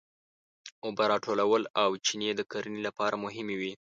اوبه راټولول او چینې د کرنې لپاره مهمې وې.